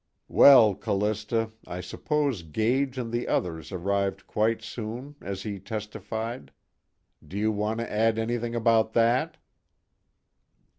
_ "Well, Callista, I suppose Gage and the others arrived quite soon, as he testified. Do you want to add anything about that?"